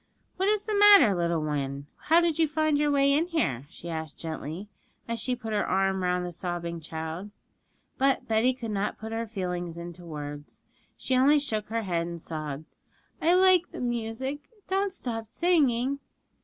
'What is the matter, little one? How did you find your way in here?' she asked gently, as she put her arm round the sobbing child. But Betty could not put her feelings into words; she only shook her head and sobbed, 'I like the music; don't stop singing.'